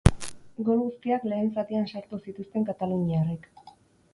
Gol guztiak lehen zatian sartu zituzten kataluniarrek.